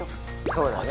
そうだね。